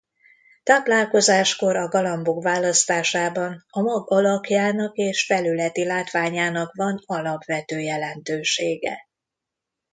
Táplálkozáskor a galambok választásában a mag alakjának és felületi látványának van alapvető jelentősége.